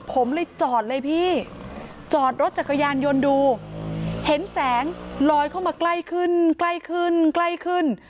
ผมเลยจอดเลยพี่จอดรถจักรยานยนต์ดูเห็นแสงลอยเข้ามาใกล้ขึ้นใกล้ขึ้นใกล้ขึ้น